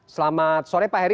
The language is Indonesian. selamat sore pak heri